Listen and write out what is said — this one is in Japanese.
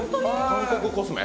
韓国コスメ？